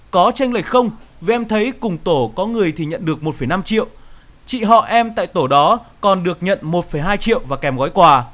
có tranh lệch không vì em thấy cùng tổ có người thì nhận được một năm triệu chị họ em tại tổ đó còn được nhận một hai triệu và kèm gói quà